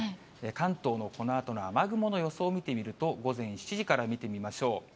関東のこのあとの雨雲の予想を見てみると、午前７時から見てみましょう。